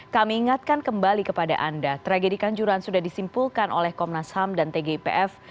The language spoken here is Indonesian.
kami ingatkan kembali kepada anda tragedi kanjuruhan sudah disimpulkan oleh komnas ham dan tgipf